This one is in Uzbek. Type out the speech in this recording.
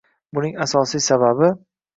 Buning asosiy sababi